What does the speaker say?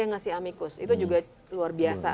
yang ngasih amicus itu juga luar biasa